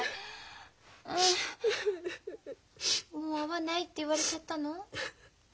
もう会わないって言われちゃったの？